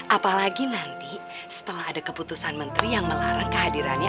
apalagi nanti setelah ada keputusan menteri yang melarang kehadirannya